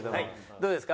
どうですか？